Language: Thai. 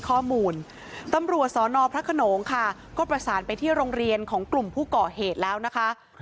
ข้อมูลตำรวจสนพระขนงค่ะก็ประสานไปที่โรงเรียนของกลุ่มผู้ก่อเหตุแล้วนะคะ